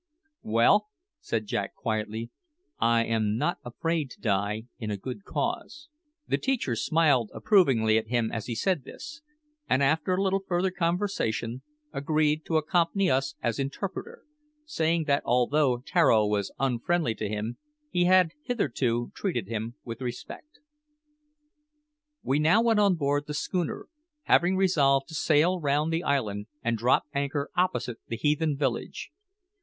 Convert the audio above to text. "Well," said Jack quietly, "I am not afraid to die in a good cause." The teacher smiled approvingly at him as he said this, and after a little further conversation, agreed to accompany us as interpreter saying that although Tararo was unfriendly to him, he had hitherto treated him with respect. We now went on board the schooner, having resolved to sail round the island and drop anchor opposite the heathen village.